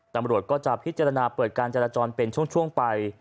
ตำรวจก็จะพิจารณาเปิดการจราจรเป็นช่วงไป